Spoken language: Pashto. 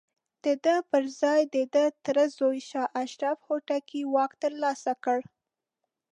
د ده پر ځاى د ده تره زوی شاه اشرف هوتکي واک ترلاسه کړ.